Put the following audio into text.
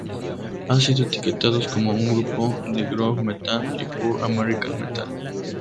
Han sido etiquetados como un grupo de groove metal y pure american metal.